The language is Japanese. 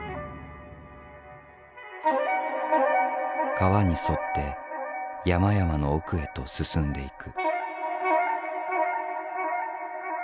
川に沿って山々の奥へと進んでいく。